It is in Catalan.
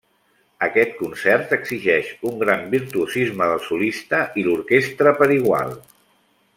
Aquest concert exigeix un gran virtuosisme del solista i l'orquestra per igual.